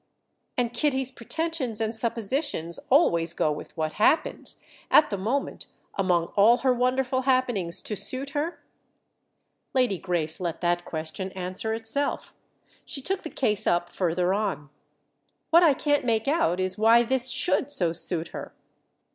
"And Kitty's pretensions and suppositions always go with what happens—at the moment, among all her wonderful happenings—to suit her?" Lady Grace let that question answer itself—she took the case up further on. "What I can't make out is why this should so suit her!"